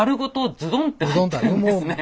ズドンって入ってるんですね。